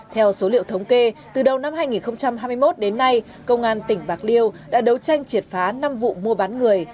theo số liệu thống kê từ đầu năm hai nghìn hai mươi một đến nay công an tỉnh bạc liêu đã đấu tranh triệt phá năm vụ mua bán người